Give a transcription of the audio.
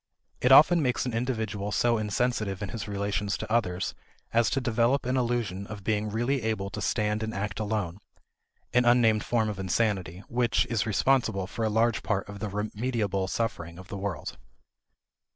It often makes an individual so insensitive in his relations to others as to develop an illusion of being really able to stand and act alone an unnamed form of insanity which is responsible for a large part of the remediable suffering of the world.